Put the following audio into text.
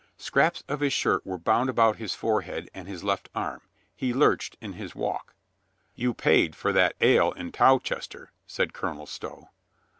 Scraps of his shirt were bound about his forehead and his left arm ; he lurched in his walk. "You paid for that ale in Towcester," said Colonel Stow.